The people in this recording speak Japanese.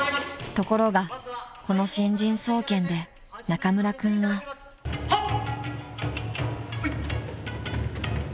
［ところがこの新人総見で中村君は］はっ！